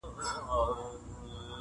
په میوندونو کي د زغرو قدر څه پیژني-